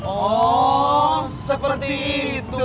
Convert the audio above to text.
oh seperti itu